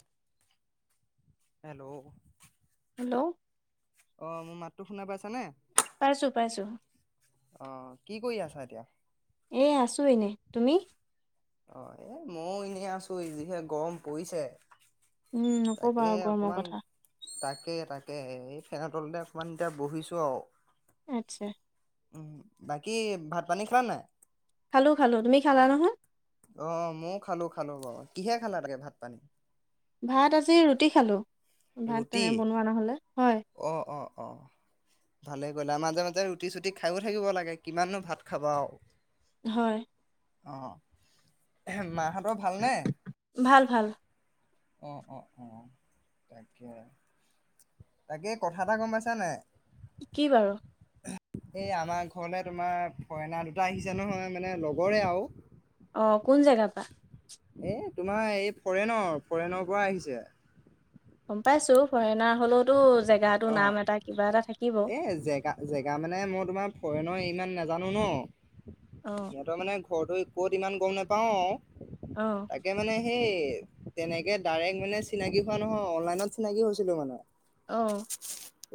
[inaudible] Hello hello অ মোৰ মাততো শুনা পাইছানে। পাইছো পাইছো। অ কি কৰি আছা এতিয়া। এই আছোঁ এনে তুমি অ এ মইো এনেই আছো এই যিহে গৰম পৰিছে উম নকবা তাকে আৰু গৰমৰ অকমান কথা। তাকে তাকে এই ফেন তলতে অকণমান এতিয়া বহিছোঁ আৰু- আচ্ছা। উ বাকী ভাত পানী খালা নাই। খালো খালো তুমি খালা নহয়। অ ময় খালো খালো বাৰ কিহে খালা তাকে ভাত, পানী, ভাত আজি ৰুটি খালো ভাত ৰুটি তেনে বনোৱা নহলে হয় অ অ অ ভালেই কৰিলে আৰু মাজে মাজে ৰুটি চুটি খায়ো থাকিব লাগে কিমাননো ভাত খাবা আৰু হয় অ মাহেঁতৰ ভালনে ভাল ভাল অ অ অ তাকে তাকে কথা এটা গম পাইছা নাই কি বাৰু এই আমাৰ ঘৰলে তোমাৰ ফৰেনাৰ দুটা আহিছে নহয় মানে লগৰে আৰু অ কোন জেগাৰ পা এ তোমাৰ এই ফৰেনৰ ফৰেনৰ পৰা আহিছে গম পাইছো ফৰেনাৰ হলেতো জেগাতো অ' নাম এটা কিবা এটা থাকে এ জেগা জেগা মানে মই তোমাৰ ফৰেনৰ ইমান নাজানো ন অ সিহঁতে মানে ঘৰতো কত ইমান গম নোপাওঁ অ তাকে মানে সেই তেনেকে ডাইৰেক্ট মানে চিনাকি হোৱা নহয় অনলাইনত চিনাকি হৈছিলো মানে অ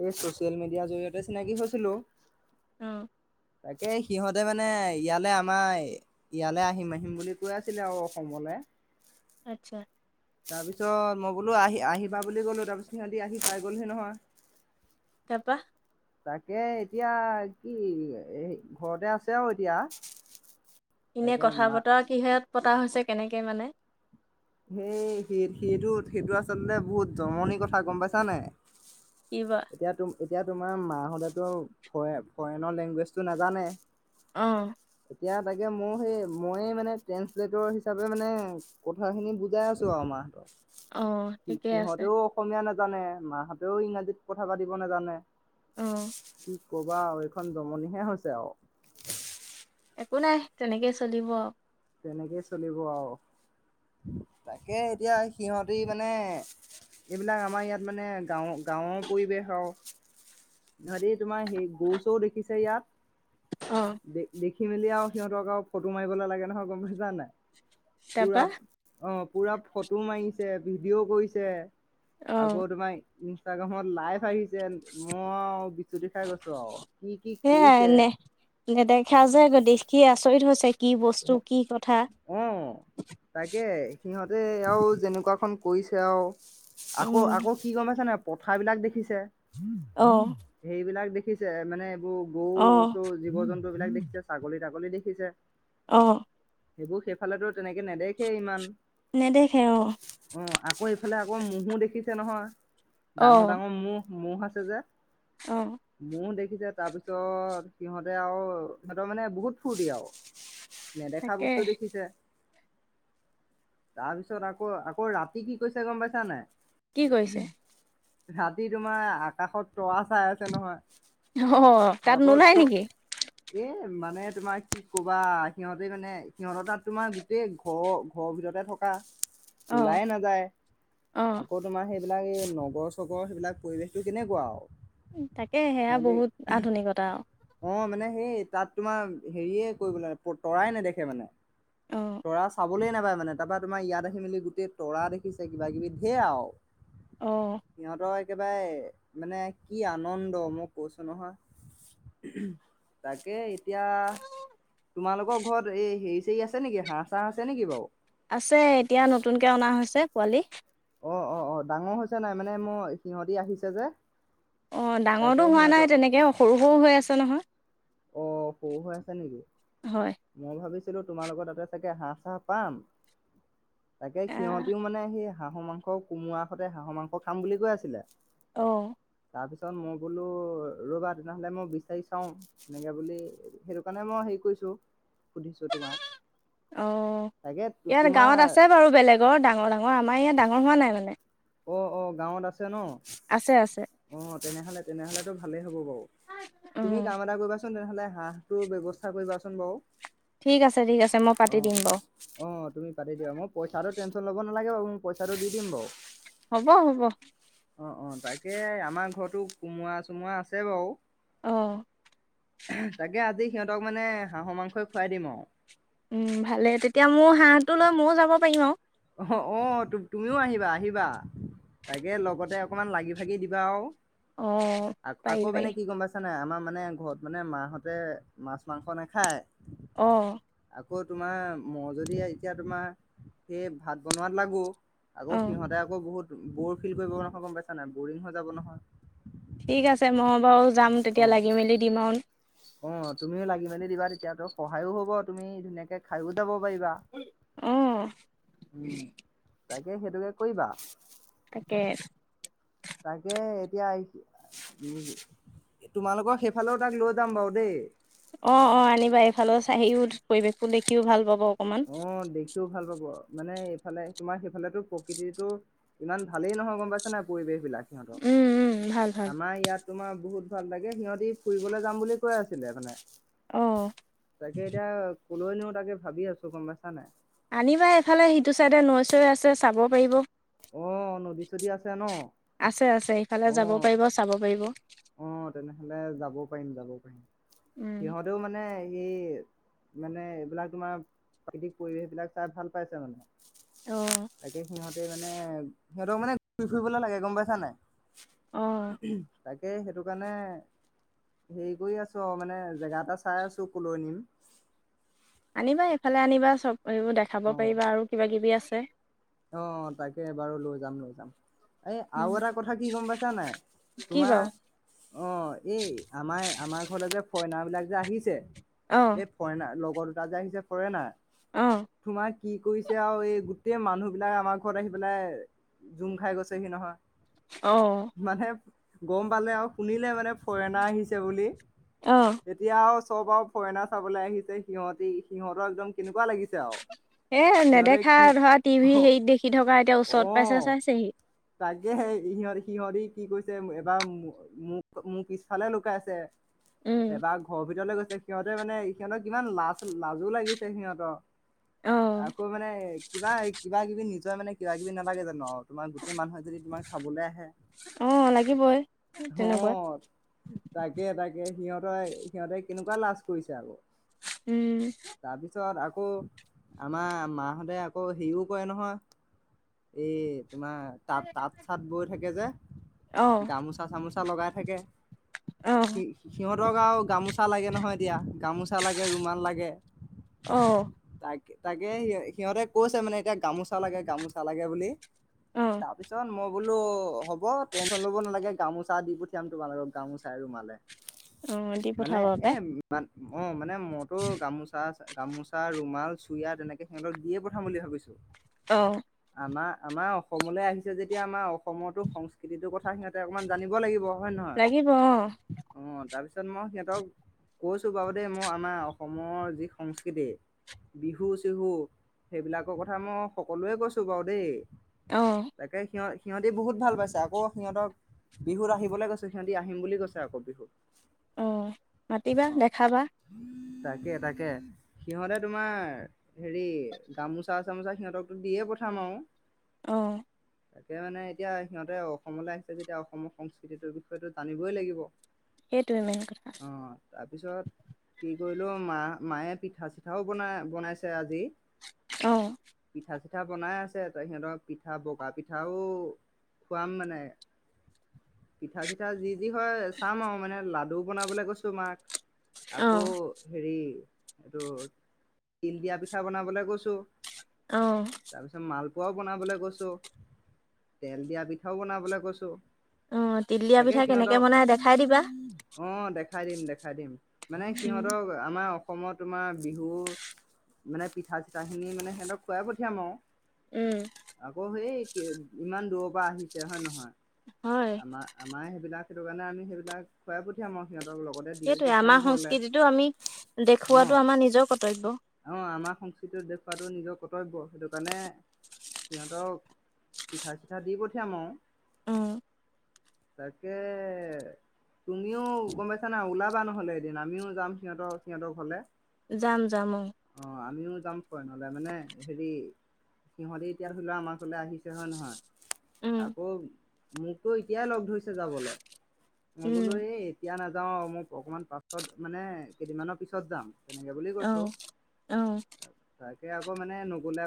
ইছো ছচিয়েল মিডিয়াৰ জৰিয়তে চিনাকি হৈছিলো অহ তাকে সিহঁতে মানে ইয়ালৈ আমাৰ ইয়ালৈ আহিম আহিম বুলি কৈ আছিলে আৰু অসমলৈ আচ্ছা তাৰপিছত মই বোলো আহি আহিবা বুলি গ'লো তাৰপিছত সিহঁতিৰ আহি পাই গলসি নহয় তা পা তাকে এতিয়া কি ঘৰতে আছে আৰু এতিয়া এনে তাকে কথা মা বতৰা কিহত পতা হৈছে কেনেকে মানে হুম সেই সেইটো সেইটো আচলতে বহুত জমনিৰ কথা গম পাইছা নাই কি বা এতিয়া তুম এতিয়া তোমাৰ মাহ হ'লেতো ফৰে ফৰেনৰ লেংগুৱেজটো নাজানে আহ এতিয়া তাকে মোৰ সেই মই মানে ট্ৰেন্ঞ্চলেটৰ হিচাপে মানে কথাখিনি বুজাই আছো আৰু মাহ হেতঁক অ সি ঠিকে আছে সিহঁতেও অসমীয়া না জানে মাহঁতেও ইংৰাজীত কথা পাতিব নাজানে অ কি কবা আৰু এইখন জমনিহে হৈছে আৰু একো নাই তেনেকেই চলিব আৰু তেনেকেই চলিব আৰু তাকে এতিয়া সিহঁতি মানে তেনেকেই চলিব আও, তাকে এতিয়া সিঁহতি মানে এইবিলাক আমাৰ ইয়াত মানে গাওঁৰ গাঁওৰ পৰিৱেশ আৰু, সিহঁতি তোমাৰ সেই গৰু চৰু দেখিছে ইয়াত অ দে দেখি থাকি মিলি আৰু সিহঁতক আৰু ফটো মাৰিবলৈ লাগে নহয় গম জান নাই পুৰা তাৰপা অঁ পুৰা ফটো মাৰিছে ভিডিঅ' কৰিছে অ আকৌ তোমাৰ ইনষ্টাগ্ৰামত লাইভ আহিছে মই বিচুতি খাই গৈছো আৰু। কি কি সেয়াই কৰিছে নে নেদেখা যে নেদেখা যে দেখিয়ে আছো হৈছে কি বস্তু কি কথা আঁহ তাকে সিহঁতে আৰু যেনেকুৱাখন কৰিছে আৰু আকৌ, উম আকৌ কি গম পাইছানে? পথাৰা বিলাক দেখিছে অ মম সেইবিলাক দেখি দেখিছে মানে অ গৰু চৰু জীৱ- জন্তু বিলাক দেখিছে ছাগলী তাগলী দেখিছে অঃ সেইবোৰ সেইফালে তেনেকে নেদেখে ইমান।। নেদেখে অ অঁ আকৌ এইফালে আকৌ মোহো দেখিছে নহয় অ ডাঙৰ, ডাঙৰ ম'হ ম'হ আছে যে অ ম'হ দেখি উঠিছে তাৰ পিছত সিহঁতে আৰু সিহঁতৰ মানে বহুত ফূৰ্তি আৰু নেদেখা তাকে বস্তু দেখিছে। তাৰপিছত আকৌ আকৌ ৰাতি কি কৈছে গম পাইছা নে কি কৰিছে? ৰাতি তোমাৰ আকাশত তৰা চাই আছে নহয় অ তাত তাৰ উপৰিও নোলাই তো নেকি এই মানে তোমাৰ কি ক'বা সিহঁতে মানে সিহঁতৰ তাত তোমাৰ গোটেই ঘৰৰ ঘৰৰ ভিতৰতে থকা অ ওলাই নাযায় অ আকৌ তোমাৰ সেই এইবিলাক এই নগৰ চগৰৰ সেইবিলাক পৰিৱেশটো কেনেকুৱা আৰু তাকে সেয়া সিহঁতি বহুত আধুনিকতা আৰু অ মানে সেই তাত তোমাৰ হেৰিয়ে কৰিব লাগে তৰাই নেদেখে মানে। অ তৰা চাব। চাবলৈই নাপায় মানে তাৰপৰা তোমাৰ ইয়াত আহি মেলি গোটেই তৰা দেখিছে কিবা কিবি ধেৰ আৰু। অ সিহঁতৰ। একেবাৰে মানে কি আনন্দ মই কৈছো নহয়। তাকে এতিয়া তোমালোকৰ ঘৰত এই হেৰি চৰি আছে। আছে নেকি হহ চাঁহ আছে নেকিা বাৰু? আছে এতিয়া নতুনকে অনা হৈছে পোৱালি। অহ ', - অহ ', - অহ ', ডাঙৰ হৈছে নাই মানে মোৰ সিহঁতি আহিছে যে। অহ ', তাকে ডাঙৰতো হোৱা নাই তেনেকে সৰু - সৰু হৈ আছে। নহয়। অহ ', সৰু হৈ আছে নেকি মই হয় ভাবিছো? ভাবিছিলো তোমালোকৰ তাতে চাগে হাঁহ চাহ পাম। তাকে আহ সিহঁতিও মানে সেই হাঁহৰ মাংস কোমোৰা হতে হাঁহৰ মাংস খাম বুলি কৈ আছিলে। অহ ', তাৰপিছত মই বোলো ৰ'বা তেনেহ'লে মই বিচাৰি চাওঁ। সেনেকে বুলি সেইটো কাৰণে মই হেৰি কৰিছো। সুধিছো মে, তোমাক অহ তাকে ', ইয়াত তোমাৰ গাঁৱত আছে বাৰু বেলেগৰ ডাঙৰ - ডাঙৰ আমাৰ ইয়াত ডাঙৰ হোৱা নাই মানে। অহ ', - অহ ', গাঁৱত আছে। ন আছে আছে অহ ', তেনেহলে - তেনেহলেতো ভালেই হ'ব বাৰু তুমি উম কাম এটা কৰিবাচোন। নহ'লে হাঁহটোৰ ব্যৱস্থা কৰিবাচোন বাৰু। ঠিক আছে ঠিক আছে মই পাতি অহ ', দিম বাৰু - অহ ', তুমি পাতি দিয়া মই পইচাটো টেনশচন ল'ব নালাগে বাৰু। পইচা টো দি দিম বাৰু। হব- হ'ব অহ ', - অহ ', তাকে আমাৰ ঘৰতো কোমোৰা চোমোৰা আছে বাৰু অহ ', তাকে আজি সিহঁতক মানে হাঁহৰ মাংসই খুৱাই দিম আৰু। উম ', ভালে তেতিয়া মোৰ হাঁহটো লৈ ময়ো যাব পাৰিম আৰু। অঁহ ', - অঁহ ', তুমিও আহিবা - আহিবা তাকে লগতে অকণমান লাগি ভাগি দিবা আৰু। অ আ পাৰি আকৌ পাৰি মানে কি গম পাইছ নাই আমাৰ মানে ঘৰত মানে মাহঁতে মাছ মাংস নাখায়। অহ ', আকৌ তোমাৰ ম যদি এতিয়া তোমাৰ। সেই ভাত বনোৱাত লাগো। অ আকৌ সিহঁতে আকৌ বহুত ব'ৰফিল কৰিব নহয় গম পাইছা নাই, বৰিং হৈ যাব নহয়। ঠিক আছে ম বাৰু যাম তেতিয়া লাগি মেলি দিম আৰু। অহ ', তুমিও লাগি মেলি দিবা তেতিয়া তো সহায়ো হব তুমি ধুনীয়াকে খাইও যাব। অ [unintelligible] তাকে সেইটোকে কৰিবা তাকে তাকে এতিয়া আহি উম তোমালোকৰ সেইফালেও তাক লৈ যাম বাৰু দেই অঁ অঁ আনিবা এইফালৰ চাহিও পৰিৱেশটো দেখিও ভাল পাব অকমান অঁ দেখিও ভাল পাব মানে সিফালে তোমাৰ সেইফালেতো প্ৰকৃতিটো ইমান ভালেই নহয় গম পাইছে নে পৰিবেশ বিলাক উম উম ভাল ভাল আমাৰ ইয়াত তোমাৰ বহুত ভাল লাগে, সিহঁতি ফুৰিবলৈ যাম বুলি কৈ আছিলে মানে অ তাকে এতিয়া কলৈ নিও তাকে ভাবি আছো গম পাইচা নাই আনিবা এইফালে সিটো চাইডে নৈ চৈ আছে চাব পাৰিব অ নদী চদী আছে ন আছে আছে ইফালে যাব পাৰিব চাব পাৰিব অঁ তেনেহলে যাব পাৰিম যাব পাৰিম উম সিহঁতেও মানে মানে সেই মানে এইবিলাক তোমাৰ প্ৰাকৃতিক পৰিৱেশ বিলাক চাই ভাল পাইছে মানে অ তাকে সিহঁত মানে সিহঁতক মানে ঘূৰি ফুৰিবলৈ লাগে গম পাইছা নাই অ উম তাকে সেইটো কাৰণে হেৰি কৰি আছোঁ আৰু মানে জেগা এটা চাই আছোঁ ক'লৈ নিম আনিবা এইফালে আনিবা চব এইবোৰ দেখাব পাৰিবা আৰু কিবা কিবি আছে [unintelligible] অঁ তাকে এবাৰো লৈ যাম লৈ যাম এই উম, আৰু এটা কথা কি গম পাইছা নাই কি বাৰু তোমাৰ অঁ এই আমাৰ আমাৰ যে ফৰেইনাৰবিলাক যে আহিছে অ এই ফৰেনাৰ লগ অ দুটা যে আহিছে ফৰেনাৰ অঁ তোমাৰ কি কৰিছে আৰু এই গোটেই মানুহ এইবিলাক আমাৰ ঘৰত আহি পেলাই জোম খাই গৈছেহি নহয় অ মানে গম পালে আৰু শুনিলে মানে ফৰেনাৰ আহিছে বুলি অ এতিয়া আৰু চব আৰু ফৰেনাৰ চাবলৈ আহিছে সিহঁতি সিহতৰ একদম কেনেকুৱা লাগিছে আৰু এ সিহঁতে নেদেখা কি ধৰা তি তুহি অ হেৰিত দেখি থকা এতিয়া অ ওচৰত পাইছে চাইছেহি। তাকে সে সিহ-সিহঁতি কি কৈছে এবাৰ মোক মোক পিছফালে লুকাইছে। উম এবাৰ ঘৰৰ ভিতৰ গৈ সিহঁতে মানে সিহঁতৰ কিমান লাজ লাজো লাগিছে সিহঁতৰ। অ আকৌ মানে কিবা কিবা কিবি নিজৰেই মানে কিবাকিবি নালাগে জানো আৰু তোমাৰ সেই মানুহে যদি তোমাক চাবলৈ আহে অ লাগিবই তেনেকুৱা অ', তাকে তাকে সিহঁত তই সিহঁতে কেনেকুৱা লাজ কৰিছে আৰু। উম তাৰপিছত আকৌ আমাৰ মাহঁতে আকৌ হেৰিও কৰে নহয় এই তোমাৰ তাঁত তাঁত চাত বৈ থাকে যে। অ গামোচা চামোচা লগাই থাকে অ সি সিহঁতক আৰু গামোচা লাগে নহয় এতিয়া গামোচা লাগে ৰুমাল লাগে অ তাক। তাকে সি সিহঁতে কৈছে মানে এতিয়া গামোচা লাগে, গামোচা লাগে বুলি। অ তাৰপিছত মোক বোলো হ'ব টেনচন ল'ব নালাগে গামোচা দি পঠিয়াম তোমাল লগক গামোচা ৰুমালে। অ', দি মানে পঠাব এ পে অ', মানে মইতো গামোচা গামোচা ৰুমাল চুৰিয়া তেনেকে সিহঁতক দিয়ে পঠাম বুলি ভাবিছো। অ'। আনা আনা অসমলৈ আহিছে যেতিয়া আমাৰ অসমতো সংস্কৃতিটোৰ কথা সিহঁতে অকণমান জানিব লাগিব। হয় নহয় লাগিব অ'। অ তাৰপিছত মই সিহঁতক কৈছোঁ বাৰু দেই মই আমাৰ অসমৰ যি সংস্কৃতি বিহু চিহু সেইবিলাকৰ কথা মই সকলোৱে কৈছোঁ বাৰু দেই। অ তাকে সিহ সিহঁতি বহুত ভাল পাইছে আকৌ সিহঁতক বিহুত আহিবলৈ গৈছে সিহঁতি আহিম বুলি কৈছে আকৌ বিহু। অ', মাতিবা দেখাবা। তাকে তাকে সিহঁতে তোমাৰ হেৰি গামোচা গামোচা সিহঁতকো দিয়ে পঠাম আৰু। অ'। তাকে মানে এতিয়া সিহঁতে অসমলৈ আহিছে যেতিয়া অসমৰ সংস্কৃতিটোৰ বিষয়টো জানিবই লাগিব। অ', সেইটোৱে মেইন কথা তাৰপিছত কি? গ'লো মা মায়ে পিঠা চিঠাও বনাই বনাইছে আজি। অ পিঠা বনাই আছে ত সিঁতক পিঠা বগা পিঠাও খুৱাম মানে পিঠা চিঠা যি যি হয় চাম আৰু মানে লাডু বনাবলৈ কৈছো মাক অ আকৌ হেৰি এইটো তিল দিয়া পিঠা বনাবলে কৈছো অ তাৰপিছত মাল খ বনাবলৈ কৈছো তেল দিয়া পিঠাও বনাবলৈ কৈছো অ তিলীয়া তাকে পিঠা কেনেকে সিহঁতক বনাই দেখাই দিবা দেখাইদিম দেখাইদিম মানে সিহঁতক আমাৰ অসমত তোমাৰ বিহু মানে পিঠা চিঠাখিনি মানে সিহঁতক খুৱাই পঠিয়াম আৰু উম আকৌ সেই ইমান দূৰৰ পৰা আহিছে হয় নহয় হয়। আমাৰ আমাৰ সেইবিলাক সেইটো কাৰণে আমি এইবিলাক খুৱাই পঠিয়াম সহঁ [unintelligible] সেইটোৱে আমাৰ সংস্কৃতিতটো আমি অ দেখুৱাতটো আমাৰ নিজৰ কৰ্তব্য খোৱাটো নিজৰ কৰ্তব্য সেইটো কাৰণে সিহঁতক পিঠা চিঠা দি পঠিয়াম আৰু অ তাকে তুমিও গম পাইছা না ওলাবা নহলে এদিন আমিও যাম সিহতৰ সিহঁতৰ ঘৰলে জাম জাম ও অ আমিও যাম নহলে মানে হেৰি সিহঁতি এতিয়া ধৰি লোৱা আমাৰ ওলে আহিছে হয় নহয় উম, আকৌ মোকতো এতিয়াই লগ ধৰিছে যাবলৈ মই উম, বোলো এই এতিয়া ন যাওঁ মোক অকণমান পাছত মানে কেইদিনমানৰ পিছত যাম তেনেকে বুলি আহ আহ সেয়া আকৌ মানে [unintelligible]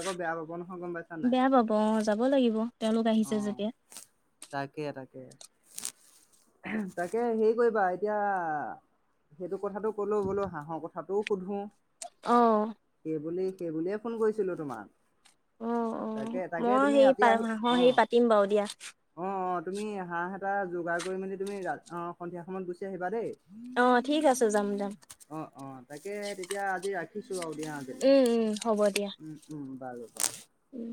আকৌ বেয়া পাব নহয় গম পাইছা নাই বেয়া পাব অ যাব লাগিব তেওঁলোক অ আহিছে যেতিয়া তাকে তাকে তাকে হেৰি কৰিবা এতিয়া সেইটো কথাটো কলো বোলো হাঁহৰ কথাটোও সুধো আহ সেই বুলিয়ে ফোন কৰিছিলোঁ তোমাক উ অ তাকে তাকে মই তুমি ৰাতি সেইা আহি অ হাঁহৰ হে পাতিম বাৰু দিয়া অ অ তুমি আহা টা যোগাৰ কৰি মেলি তুমি ৰা অ সন্ধিয়া সময়ত গুচি আহিবা দেই অ', ঠিক আছে যাম যাম, অ অ, তাকে তেতিয়া আজি ৰাখিছো আৰু দিয়া আজিলে। উম, উম, হ'ব দিয়া। [unintelligible] উম বাৰু বাৰু উম।